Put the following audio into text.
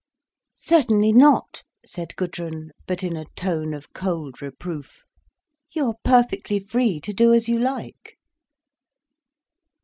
"Certainly not," said Gudrun, but in a tone of cold reproof. "You are perfectly free to do as you like."